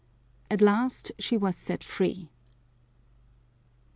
At last she was set free.